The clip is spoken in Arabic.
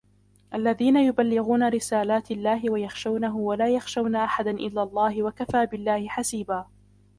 الذين يبلغون رسالات الله ويخشونه ولا يخشون أحدا إلا الله وكفى بالله حسيبا